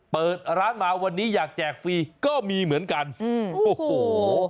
เปิดร้านมาวันนี้อยากแจกฟรีก็มีเหมือนกันอืมโอ้โห